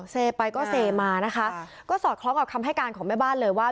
เซไปก็เซมานะคะก็สอดคล้องกับคำให้การของแม่บ้านเลยว่า